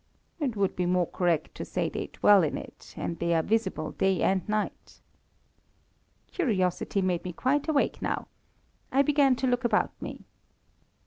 "It would be more correct to say they dwell in it, and they are visible day and night." Curiosity made me quite awake now. I began to look about me.